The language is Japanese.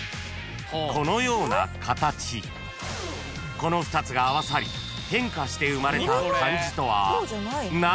［この２つが合わさり変化して生まれた漢字とは何？］